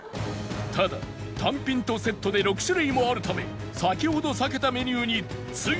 ただ単品とセットで６種類もあるため先ほど避けたメニューについに挑むのか？